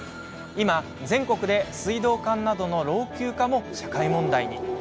今、全国で水道管などの老朽化も社会問題に。